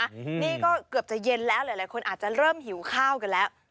นี่ก็เกือบจะเย็นแล้วหลายคนอาจจะเริ่มหิวข้าวกันแล้ว